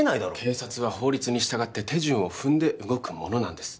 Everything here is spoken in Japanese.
警察は法律に従って手順を踏んで動くものなんです